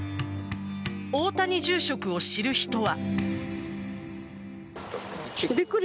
大谷住職を知る人は。